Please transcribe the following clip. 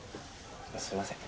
すいません。